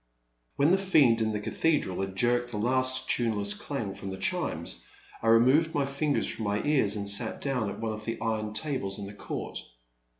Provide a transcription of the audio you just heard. When the fiend in the cathedral had jerked the last tuneless dang from the chimes, I removed my fingers from my ears and sat down at one of the iron tables in the court.